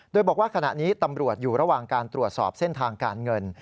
โดยบอกว่าขณะนี้ตำรวจอยู่ระหว่างการตรวจสอบเส้นทางการเงิน